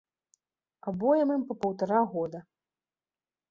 Абоім ім па паўтара года.